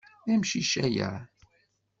D amcic aya?